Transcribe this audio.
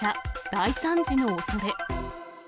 大惨事のおそれ。